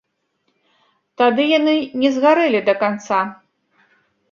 Тады яны не згарэлі да канца.